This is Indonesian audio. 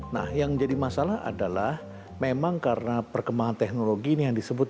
nah yang jadi masalah adalah memang karena perkembangan teknologi ini yang disebut